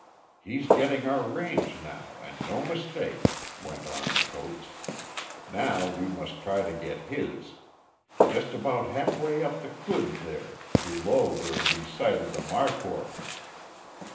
"He's getting our range now, and no mistake," went on Coates. "Now we must try and get his. Just about halfway up the khud there, below where we sighted the markhor."